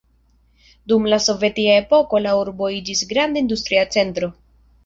Dum la Sovetia epoko la urbo iĝis granda industria centro.